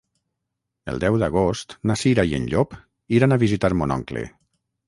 El deu d'agost na Cira i en Llop iran a visitar mon oncle.